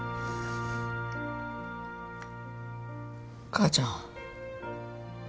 母ちゃん。